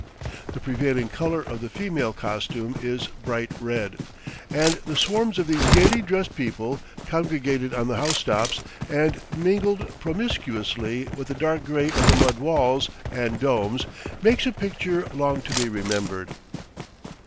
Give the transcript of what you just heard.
The prevailing color of the female costume is bright red, and the swarms of these gayly dressed people congregated on the housetops, and mingled promiscuously with the dark gray of the mud walls and domes, makes a picture long to be remembered.